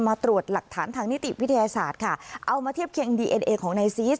มาตรวจหลักฐานทางนิติวิทยาศาสตร์ค่ะเอามาเทียบเคียงดีเอ็นเอของนายซีส